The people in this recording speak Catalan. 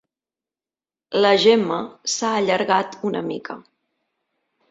La Gemma s'ha allargat una mica.